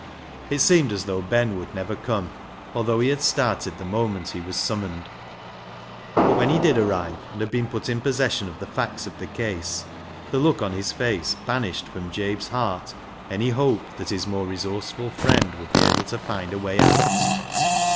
It seemed as though Ben would never come, although he had started the moment he was summoned. But when he did arrive, and had been put in possession of the facts of the case, the look on his face banished from Jabe's heart any hope that his more resourceful friend would be able to find a way out.